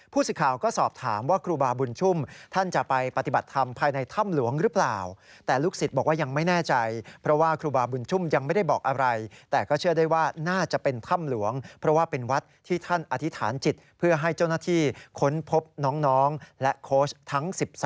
ผู้สิทธิ์ข่าวก็สอบถามว่าครูบาบุญชุมท่านจะไปปฏิบัติธรรมภายในถ้ำหลวงหรือเปล่า